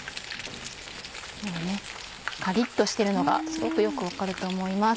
カリっとしてるのがすごくよく分かると思います。